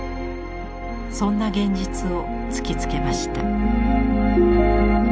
そんな現実を突きつけました。